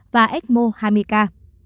và ecmo hai mươi ca